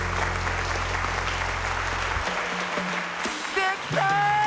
できた！